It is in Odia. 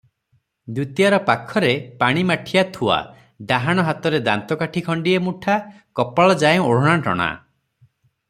ଦ୍ୱିତୀୟାର ପାଖରେ ପାଣି ମାଠିଆ ଥୁଆ, ଡାହାଣ ହାତରେ ଦାନ୍ତକାଠି ଖଣ୍ତିଏ ମୁଠା, କପାଳ ଯାଏ ଓଢ଼ଣାଟଣା ।